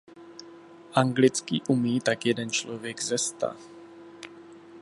Anglicky umí tak jeden člověk ze sta.